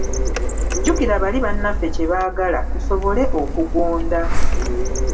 Jjukira bali bannaffe kye baagala, tusobole okugonda.